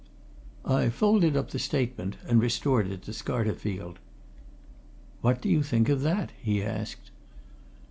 I folded up the statement and restored it to Scarterfield. "What do you think of that?" he asked.